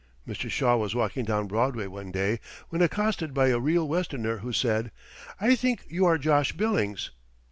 '" Mr. Shaw was walking down Broadway one day when accosted by a real Westerner, who said: "I think you are Josh Billings."